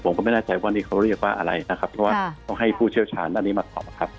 ผมก็ไม่แน่ใจว่านี่เขาเรียกว่าอะไรนะครับเพราะว่าต้องให้ผู้เชี่ยวชาญด้านนี้มาตอบครับ